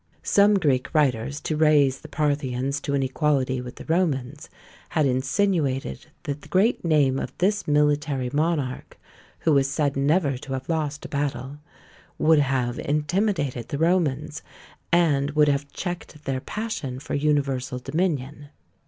Some Greek writers, to raise the Parthians to an equality with the Romans, had insinuated that the great name of this military monarch, who is said never to have lost a battle, would have intimidated the Romans, and would have checked their passion for universal dominion.